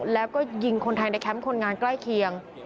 แล้วก็ยิงคนไทยในแคมป์คนงานใกล้เคียง